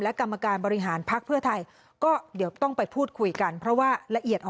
และกรรมการบริหารพักเพื่อไทย